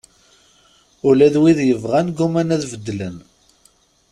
Ula d wid yeɣran gguman ad beddlen.